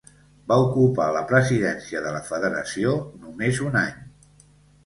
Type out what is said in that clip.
Va ocupar la presidència de la federació només un any.